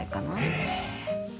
へえ！